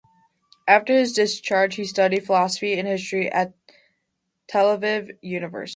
After his discharge he studied philosophy and history at Tel-Aviv University.